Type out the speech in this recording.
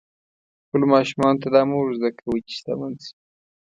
خپلو ماشومانو ته دا مه ور زده کوئ چې شتمن شي.